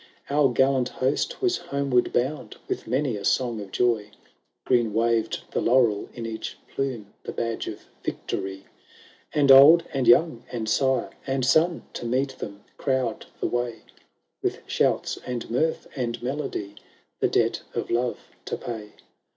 IV Our gallant host was homeward bound With many a song of joy ; Green waved the laurel in each plume, The badge of victory. v And old and young, and sire and son. To meet them crowd the way, With shouts, and mirth, and melody, The debt of love to pay.